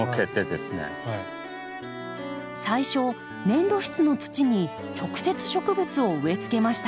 最初粘土質の土に直接植物を植えつけました。